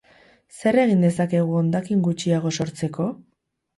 Zer egin dezakegu hondakin gutxiago sortzeko?